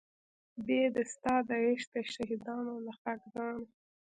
بې د ستا د عشق د شهیدانو له خاکدانه